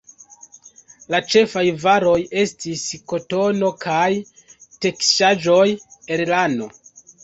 La ĉefaj varoj estis kotono kaj teksaĵoj el lano.